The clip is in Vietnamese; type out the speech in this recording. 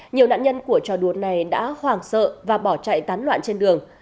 nhiều nạn nhân của trò đùa này đã hoàng sợ và bỏ chạy tán loạn trên đường